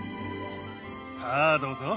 さあどうぞ。